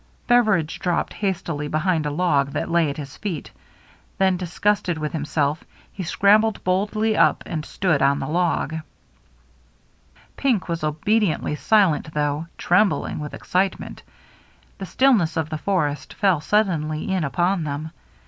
Beveridge dropped hastily behind a log that lay at his feet. Then, disgusted with himself, he scrambled boldly up and stood on the log. WHISKEY JIM 361 Pink was obediently silent, though trembling with excitement. The stillness of the forest fell suddenly in upon them.